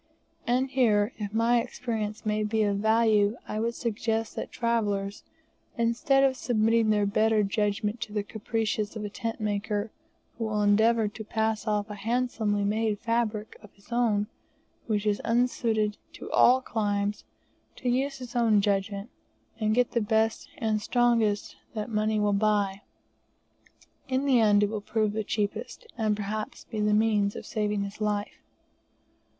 And here, if my experience may be of value, I would suggest that travellers, instead of submitting their better judgment to the caprices of a tent maker, who will endeavour to pass off a handsomely made fabric of his own, which is unsuited to all climes, to use his own judgment, and get the best and strongest that money will buy. In the end it will prove the cheapest, and perhaps be the means of saving his life.